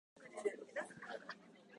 到底録音できる環境ではない。